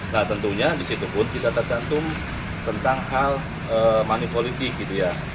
nah tentunya di situ pun tidak tercantum tentang hal manipolitik gitu ya